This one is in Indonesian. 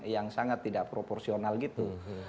yang sangat tidak proporsional gitu